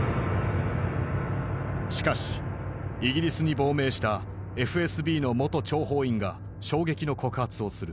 しかしイギリスに亡命したＦＳＢの元諜報員が衝撃の告発をする。